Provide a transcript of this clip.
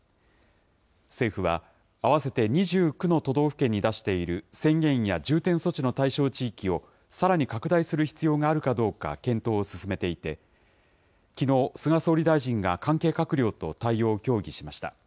政府は、合わせて２９の都道府県に出している宣言や重点措置の対象地域を、さらに拡大する必要があるかどうか検討を進めていて、きのう、菅総理大臣が関係閣僚と対応を協議しました。